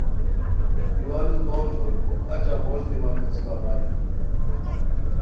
ایوالو تونج ہوئے پُھک اچہ موش دی مہ پیڅھی بغائے